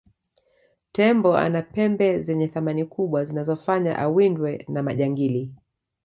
tembo ana pembe zenye thamani kubwa zinazofanya awindwe na majangili